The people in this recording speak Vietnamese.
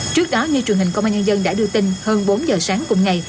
trước đó như truyền hình công an nhân dân đã đưa tin hơn bốn giờ sáng cùng ngày